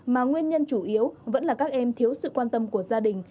mà nguyên nhân chủ yếu vẫn là các em thiếu sự quan tâm của gia đình